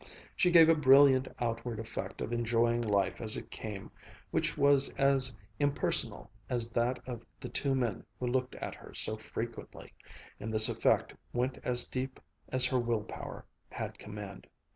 She gave a brilliant outward effect of enjoying life as it came which was as impersonal as that of the two men who looked at her so frequently, and this effect went as deep as her will power had command.